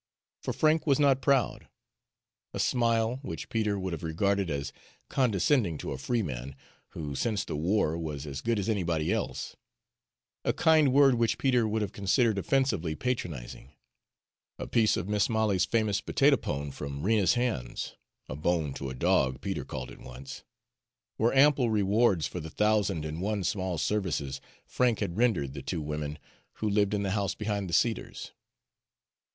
For Frank was not proud. A smile, which Peter would have regarded as condescending to a free man, who, since the war, was as good as anybody else; a kind word, which Peter would have considered offensively patronizing; a piece of Mis' Molly's famous potato pone from Rena's hands, a bone to a dog, Peter called it once; were ample rewards for the thousand and one small services Frank had rendered the two women who lived in the house behind the cedars.